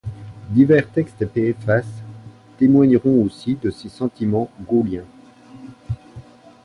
Divers textes et préfaces témoigneront aussi de ses sentiments gaulliens.